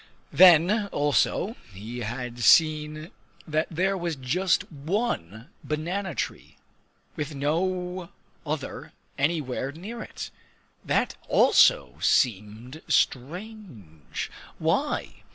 Then, also, he had seen that there was just one banana tree, with no other anywhere near it. That also seemed strange! Why?